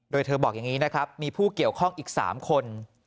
โดยเธอบอกอย่างนี้นะครับมีผู้เกี่ยวข้องอีก๓คน